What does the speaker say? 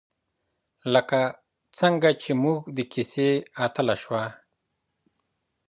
لکه څنګه چې زموږ د کیسې اتله شوه.